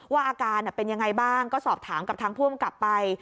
อาการเป็นยังไงบ้างก็สอบถามกับทางผู้อำกับไป